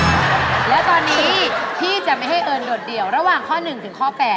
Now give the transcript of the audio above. แล้วตอนนี้พี่จะไม่ให้เอิญโดดเดี่ยวระหว่างข้อ๑ถึงข้อ๘